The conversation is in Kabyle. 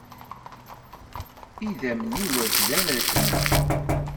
Idammen-iw bdan rekkmen.